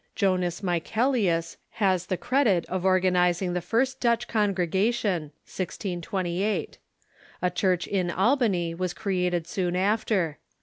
Jonas Michae lius has the credit of organizing the first Dutch congregation (1628). A church in Albany was erected soon after.